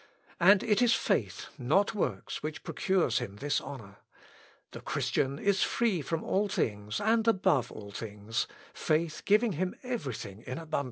And it is faith, not works, which procures him this honour. The Christian is free from all things, and above all things faith giving him every thing in abundance."